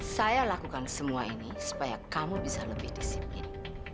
saya lakukan semua ini supaya kamu bisa lebih disiplin